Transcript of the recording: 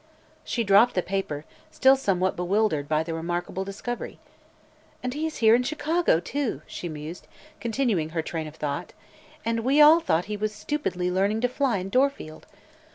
She dropped the paper, still somewhat bewildered by the remarkable discovery. "And he is here in Chicago, too!" she mused, continuing her train of thought, "and we all thought he was stupidly learning to fly in Dorfield.